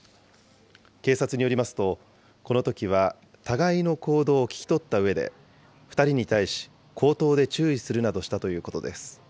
警察によりますと、このときは互いの行動を聞き取ったうえで、２人に対し、口頭で注意するなどしたということです。